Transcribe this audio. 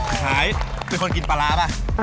ขายเป็นคนกินปลาร้าป่ะ